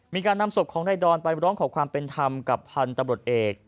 มีการนำศพของนายดอนไปร้องขอความเป็นธรรมกับพันธุ์ตำรวจเอก